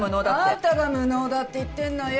あんたが無能だって言ってんのよ。